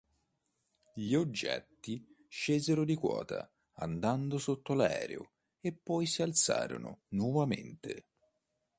Gli oggetti scesero di quota andando sotto l'aereo e poi si alzarono nuovamente.